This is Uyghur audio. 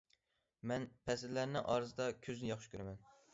مەن پەسىللەرنىڭ ئارىسىدا كۈزنى ياخشى كۆرىمەن.